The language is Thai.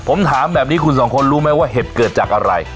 ผมถามแบบนี้คุณสองคนรู้ไหมว่าเหตุเกิดจากอะไร